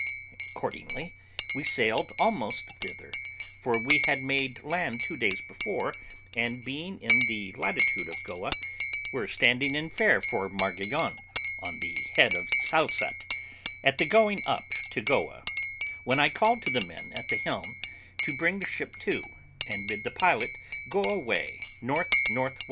Accordingly, we sailed almost thither, for we had made land two days before, and being in the latitude of Goa, were standing in fair for Margaon, on the head of Salsat, at the going up to Goa, when I called to the men at the helm to bring the ship to, and bid the pilot go away N.N.W.